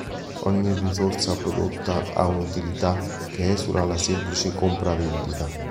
Ogni risorsa prodotta ha un'utilità che esula la semplice compra-vendita.